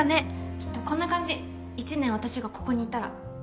きっとこんな感じ１年私がここにいたら。